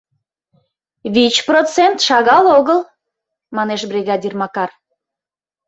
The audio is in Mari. — Вич процент шагал огыл, — манеш бригадир Макар.